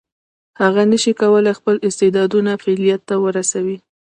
هغه نشي کولای خپل استعدادونه فعلیت ته ورسوي.